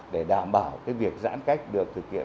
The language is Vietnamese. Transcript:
để đảm bảo việc giãn cách được thực hiện